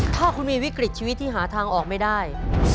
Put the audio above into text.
ถ้าคุณมีวิกฤตชีวิตที่หาทางออกไม่ได้